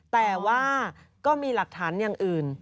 แต่ว่าก็มีหลักฐานอย่างอื่น